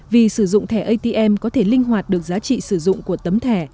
vì sử dụng thẻ atm có thể linh hoạt được giá trị sử dụng của tấm thẻ